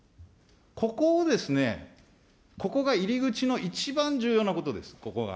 ここをですね、ここが入り口の一番重要なことです、ここが。